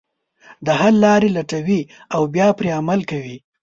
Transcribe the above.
د حل لارې لټوي او بیا پرې عمل کوي.